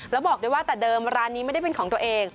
แล้วบอกด้วยว่าแต่เดิมร้านนี้ไม่ได้เป็นของตัวเอง